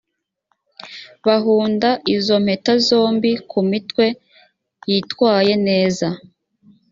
bahunda izo mpeta zombi ku mitwe yitwaye neza